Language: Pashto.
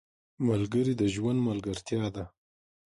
ملګري د ژوند ملګرتیا ده.